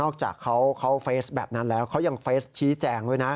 จากเขาเฟสแบบนั้นแล้วเขายังเฟสชี้แจงด้วยนะ